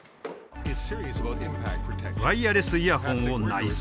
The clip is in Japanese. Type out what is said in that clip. ワイヤレスイヤホンを内蔵。